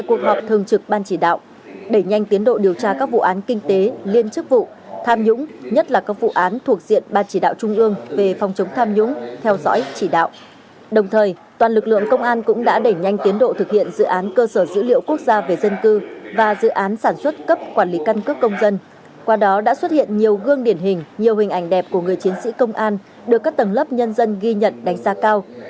qua đó đã xuất hiện nhiều gương điển hình nhiều hình ảnh đẹp của người chiến sĩ công an được các tầng lớp nhân dân ghi nhận đánh giá cao